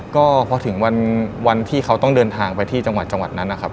ก็พอถึงวันที่เขาต้องเดินทางไปที่จังหวัดจังหวัดนั้นนะครับ